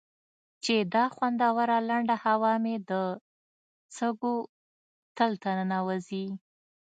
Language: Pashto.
چې دا خوندوره لنده هوا مې د سږو تل ته ننوځي.